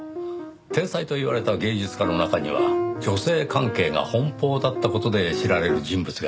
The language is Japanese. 天才といわれた芸術家の中には女性関係が奔放だった事で知られる人物がいますねぇ。